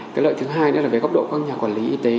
cái lợi thứ hai là về góc độ các nhà quản lý y tế